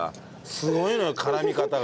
すごいのよ絡み方が。